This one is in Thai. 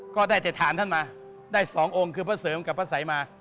ก็ได้แต่ฐานท่านมาได้๒องค์คือพระเสริมกับพระสัยมา